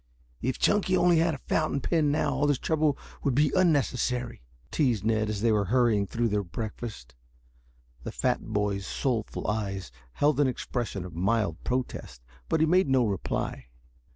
"If Chunky only had a fountain pen now all this trouble would be unnecessary," teased Ned as they were hurrying through their breakfast. The fat boy's soulful eyes held an expression of mild protest, but he made no reply.